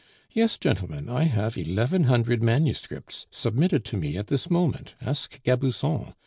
Yes, gentlemen, I have eleven hundred manuscripts submitted to me at this moment; ask Gabusson.